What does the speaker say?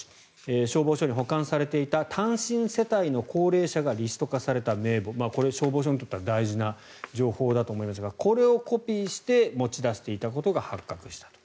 消防署に保管されていた単身世帯の高齢者がリスト化された名簿これ、消防署にとっては大事な情報だと思いますがこれをコピーして持ち出していたことが発覚したと。